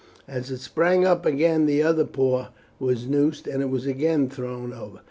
As it sprang up again the other forepaw was noosed, and it was again thrown over.